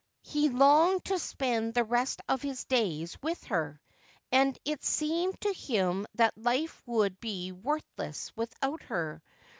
He longed to spend the rest of his days with her, and it seemed to him that life would be worthless without her.